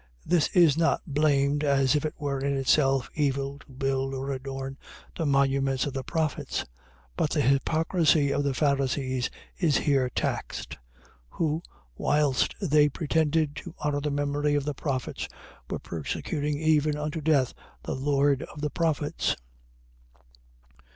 .This is not blamed, as if it were in itself evil to build or adorn the monuments of the prophets: but the hypocrisy of the Pharisees is here taxed; who, whilst they pretended to honour the memory of the prophets, were persecuting even unto death the Lord of the prophets.